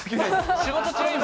仕事中、今？